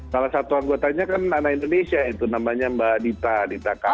salah satu anggotanya kan anak indonesia itu namanya mbak dita dita kan